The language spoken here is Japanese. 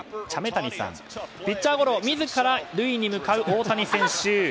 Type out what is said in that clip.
ピッチャーゴロを自ら塁に向かう大谷選手。